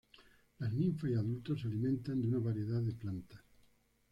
Las ninfas y adultos se alimentan de una variedad de plantas.